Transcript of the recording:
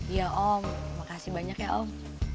iya om makasih banyak ya om